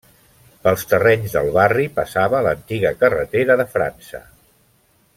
Pels terrenys del barri passava l'antiga carretera de França.